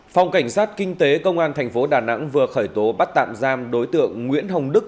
phòng cảnh sát kinh tế công an thành phố đà nẵng vừa khởi tố bắt tạm giam đối tượng nguyễn hồng đức